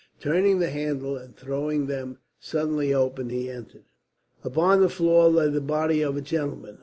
Turning the handle and throwing them suddenly open, he entered. Upon the floor lay the body of a gentleman.